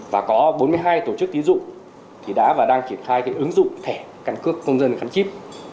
tổ chức kín dụng thì đã và đang triển khai ứng dụng thẻ căn cước công dân khắn chíp